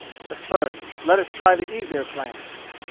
But first let us try the easier plan.